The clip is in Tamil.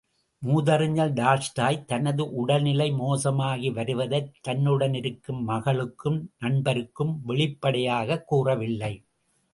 மூதறிஞர் டால்ஸ்டாய் தனது உடல் நிலை மோசமாகி வருவதை தன்னுடனிருக்கும் மகளுக்கும் நண்பருக்கும் வெளிப்படையாகக் கூறவில்லை.